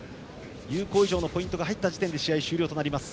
有効以上のポイントが入った時点で試合終了です。